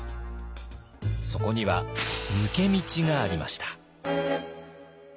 そこには抜け道がありました。